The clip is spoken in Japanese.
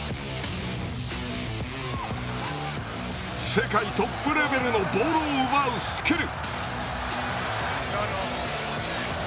世界トップレベルのボールを奪うスキル。